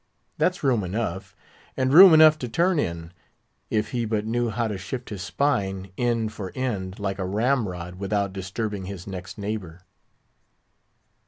That's room enough; and room enough to turn in, if he but knew how to shift his spine, end for end, like a ramrod, without disturbing his next neighbour.